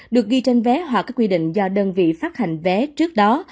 được ghi trên vé hoặc các quy định do đơn vị phát hành vé trước đó